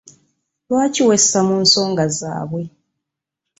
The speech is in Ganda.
Lwaki wessa mu nsonga zaabwe?